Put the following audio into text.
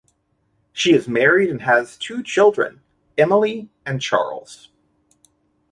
She is married and has two children, Emily and Charles.